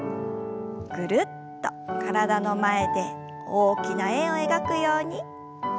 ぐるっと体の前で大きな円を描くように。